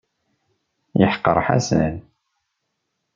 Yeḥqer Ḥasan.